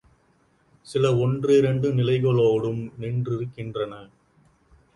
சில ஒன்றிரண்டு நிலைகளோடும் நின்றிருக்கின்றன.